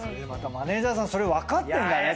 マネジャーさんそれ分かってんだね。